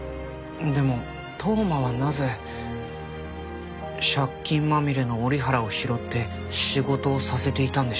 でも当麻はなぜ借金まみれの折原を拾って仕事をさせていたんでしょう？